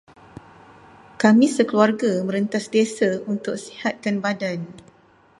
Kami sekeluarga merentas desa untuk sihatkan badan.